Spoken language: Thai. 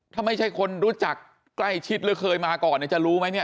ถ้าไม่ใช่คนรู้จักใกล้ชิดหรือเคยมาก่อนเนี่ยจะรู้ไหมเนี่ย